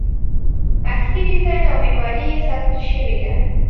اصلي ډیزاین او معماري یې ساتل شوې ده.